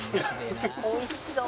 「おいしそう」